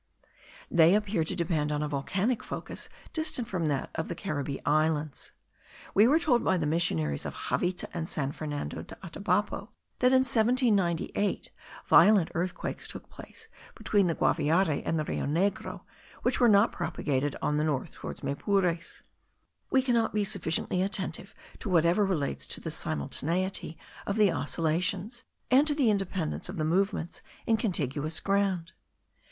They appear to depend on a volcanic focus distant from that of the Caribbee Islands. We were told by the missionaries at Javita and San Fernando de Atabapo that in 1798 violent earthquakes took place between the Guaviare and the Rio Negro, which were not propagated on the north towards Maypures. We cannot be sufficiently attentive to whatever relates to the simultaneity of the oscillations, and to the independence of the movements in contiguous ground.